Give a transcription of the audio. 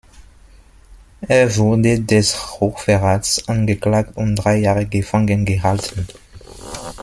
Er wurde des Hochverrats angeklagt und drei Jahre gefangen gehalten.